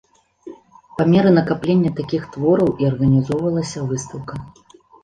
Па меры накаплення такіх твораў і арганізоўвалася выстаўка.